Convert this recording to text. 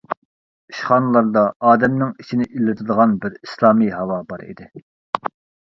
ئىشخانىلاردا ئادەمنىڭ ئىچىنى ئىللىتىدىغان بىر ئىسلامىي ھاۋا بار ئىدى.